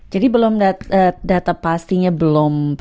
jadi data pastinya belum